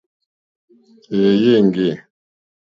Èèyé éŋɡê.